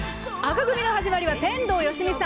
紅組の始まりは天童よしみさん！